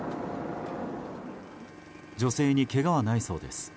女性にけがはないそうです。